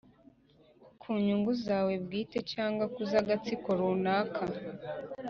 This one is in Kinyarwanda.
ku nyungu zawe bwite cyangwa ku z'agatsiko runaka.